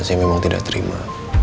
saya memang tidak terima